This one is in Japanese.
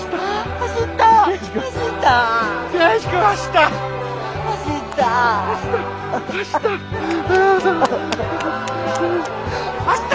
走った。